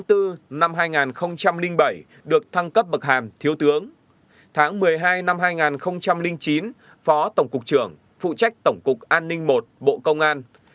từ tháng sáu năm hai nghìn sáu đến tháng một mươi hai năm hai nghìn chín phó tổng cục trưởng tổng cục an ninh bộ công an